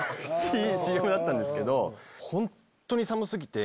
ＣＭだったんですけど本当に寒過ぎて。